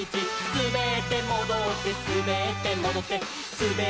「すべってもどってすべってもどって」